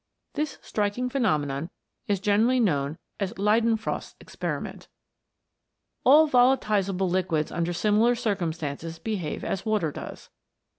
This striking phe nomenon is generally known as Leidenfrost's expe riment. All volatizable liquids under similar circum stances behave as water does.